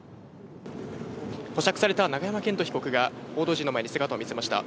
保釈された永山絢斗被告が、報道陣の前に姿を見せました。